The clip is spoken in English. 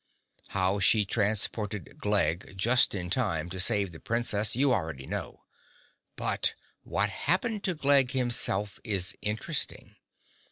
How she transported Glegg just in time to save the Princess you already know. But what happened to Glegg himself is interesting.